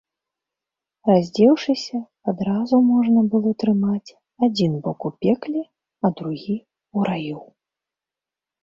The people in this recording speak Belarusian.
Раздзеўшыся, адразу можна было трымаць адзін бок у пекле, а другі ў раю.